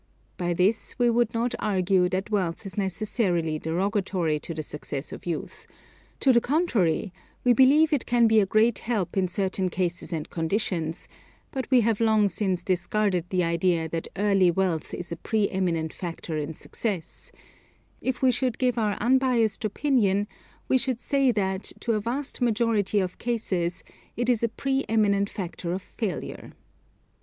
By this we would not argue that wealth is necessarily derogatory to the success of youth; to the contrary, we believe it can be a great help in certain cases and conditions; but we have long since discarded the idea that early wealth is a pre eminent factor in success; if we should give our unbiased opinion, we should say that, to a vast majority of cases, it is a pre eminent factor of failure.